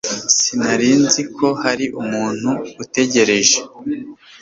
Sinari nzi ko hari umuntu utegereje.